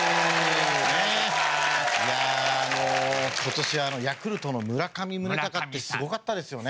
いやああの今年ヤクルトの村上宗隆ってすごかったですよね。